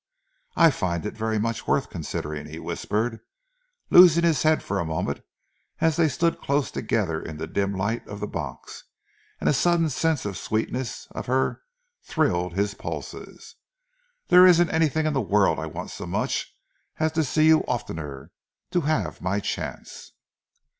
"I find it very much worth considering," he whispered, losing his head for a moment as they stood close together in the dim light of the box, and a sudden sense of the sweetness of her thrilled his pulses. "There isn't anything in the world I want so much as to see you oftener to have my chance."